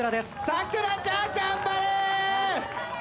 咲楽ちゃん頑張れ！